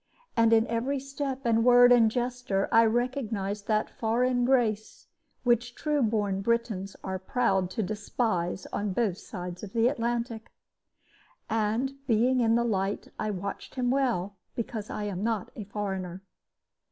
And in every step and word and gesture I recognized that foreign grace which true born Britons are proud to despise on both sides of the Atlantic. And, being in the light, I watched him well, because I am not a foreigner.